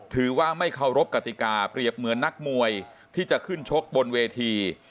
ถือว่าไม่เคารพกติกาเปรียบเหมือนนักมวยที่จะขึ้นชกบนเวที